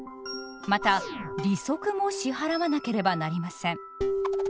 また利息も支払わなければなりません。